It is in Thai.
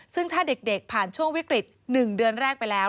ซึ่งถ้าเด็กผ่านช่วงวิกฤต๑เดือนแรกไปแล้ว